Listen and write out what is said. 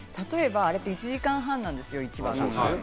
あれって１話が１時間半なんですよ。